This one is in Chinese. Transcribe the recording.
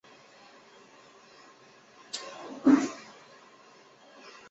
第二的问题是诸如桥或是碉堡这一类无导引空用炸弹难以发挥作用的目标类型。